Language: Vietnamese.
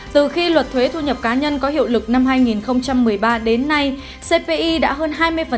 từ khi luật thuế thu nhập cá nhân có hiệu lực năm hai nghìn một mươi ba đến nay cpi đã hơn hai mươi